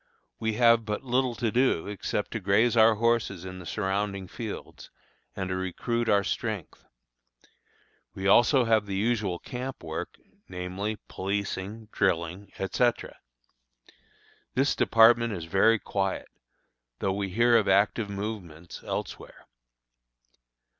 We have but little to do except to graze our horses in the surrounding fields, and to recruit our strength. We also have the usual camp work, namely, policing, drilling, etc. This department is very quiet, though we hear of active movements elsewhere.